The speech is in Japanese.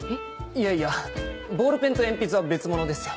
いやいやボールペンと鉛筆は別物ですよ。